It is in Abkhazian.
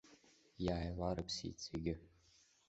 Иааиларыԥсеит зегьы.